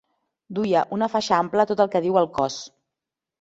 Duia una faixa ampla tot el que diu el cos.